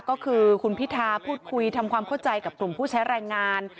ก็คือคุณพิธาพูดคุยทำความเข้าใจกับกลุ่มผู้ใช้แรงงาน